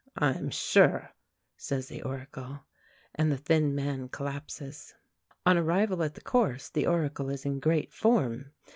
"I'm sure," says the Oracle; and the thin man collapses. On arrival at the course, the Oracle is in great form.